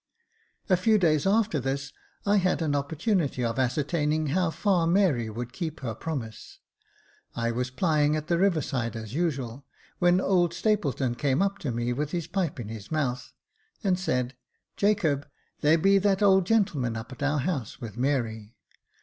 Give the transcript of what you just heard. A few days after this I had an opportunity of ascertaining how far Mary would keep her promise. I was plying at the river side as usual, when old Stapleton came up to me, with his pipe in his mouth, and said, " Jacob, there be that old gentleman up at our house with Mary.